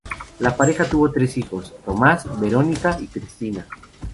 La pareja tuvo tres hijos: Tomás, Verónica y Cristina.